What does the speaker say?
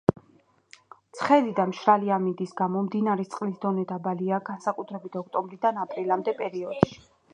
ცხელი და მშრალი ამინდის გამო მდინარის წყლის დონე დაბალია, განსაკუთრებით, ოქტომბრიდან აპრილამდე პერიოდში.